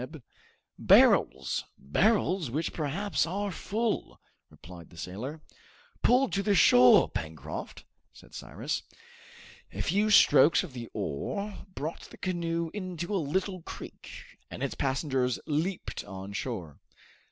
"Barrels, barrels, which perhaps are full," replied the sailor. "Pull to the shore, Pencroft!" said Cyrus. A few strokes of the oar brought the canoe into a little creek, and its passengers leaped on shore.